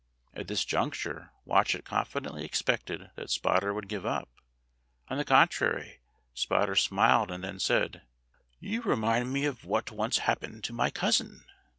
At this juncture Watchet confidently expected that Spotter would give up. On the contrary, Spotter smiled and then said "You remind me of what once happened to my cousin.